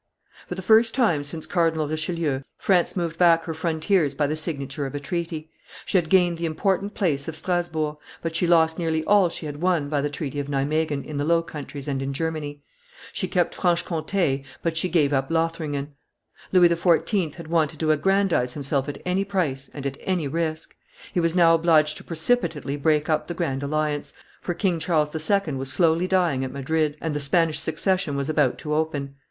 For the first time since Cardinal Richelieu, France moved back her frontiers by the signature of a treaty. She had gained the important place of Strasburg, but she lost nearly all she had won by the treaty of Nimeguen in the Low Countries and in Germany; she kept Franche Comte, but she gave up Lothringen. Louis XIV. had wanted to aggrandize himself at any price and at any risk; he was now obliged to precipitately break up the grand alliance, for King Charles II. was slowly dying at Madrid, and the Spanish Succession was about to open.